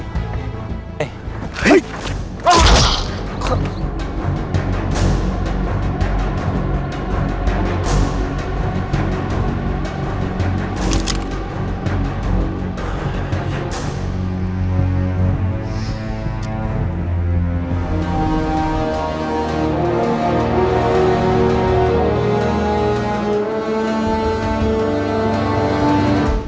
เฮ้ย